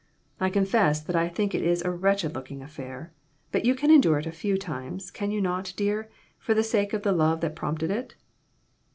I confess that I think it is a wretched looking affair, but you can endure it a few times, can you not, dear, for the sake of the love that prompted it